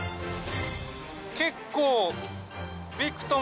結構。